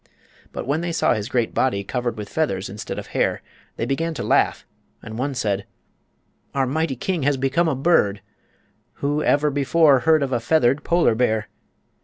But when they saw his great body covered with feathers instead of hair they began to laugh, and one said: "Our mighty king has become a bird! Who ever before heard of a feathered polar bear?"